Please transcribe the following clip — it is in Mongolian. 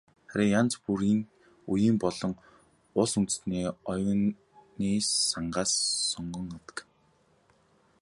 Харин янз бүрийн үеийн болон улс үндэстний оюуны сангаас сонгон авдаг.